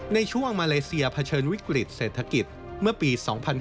ในช่วงมาเลเซียเผชิญวิกฤตเศรษฐกิจเมื่อปี๒๕๕๙